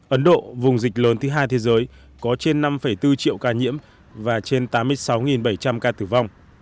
ấn độ vùng dịch lớn thứ hai thế giới có trên năm bốn triệu ca nhiễm và trên tám mươi sáu bảy trăm linh ca tử vong